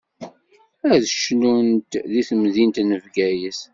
Ad cnunt di temdint n Bgayet.